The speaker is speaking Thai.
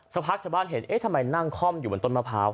สักพักชาวบ้านเห็นเอ๊ะทำไมนั่งคล่อมอยู่บนต้นมะพร้าว